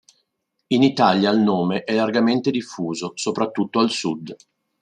In Italia il nome è largamente diffuso, soprattutto al sud.